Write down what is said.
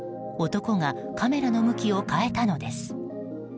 男がカメラの向きを変えたのです。